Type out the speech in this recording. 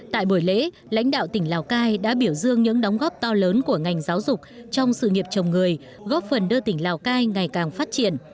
tại buổi lễ lãnh đạo tỉnh lào cai đã biểu dương những đóng góp to lớn của ngành giáo dục trong sự nghiệp chồng người góp phần đưa tỉnh lào cai ngày càng phát triển